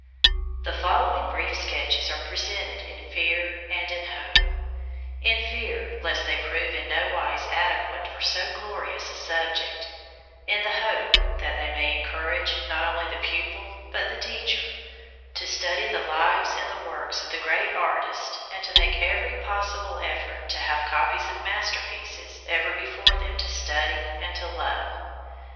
The following brief sketches are presented in fear and in hope in fear lest they prove in no wise adequate for so glorious a subject; in the hope that they may encourage not only the pupil, but the teacher, to study the lives and the works of the great artists and to make every possible effort to have copies of masterpieces ever before them to study and to love.